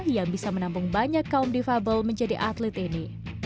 yang bisa menampung banyak kaum difabel menjadi atlet ini